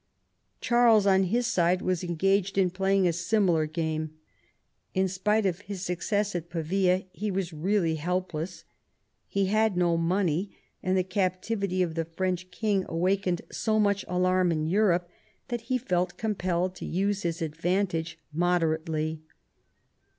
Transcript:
Charles on his side was engaged in playing a similar game. In spite of his success at Pavia he was really helpless. He had no money, and the captivity of the French king awakened so much alarm in Europe that VII RENEWAL OF PEACE 117 he felt compelled to use his advantage moderately.